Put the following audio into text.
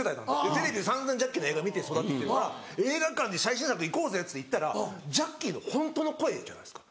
テレビで散々ジャッキーの映画見て育ってきてるから映画館最新作行こうぜって行ったらジャッキーのホントの声じゃないですか。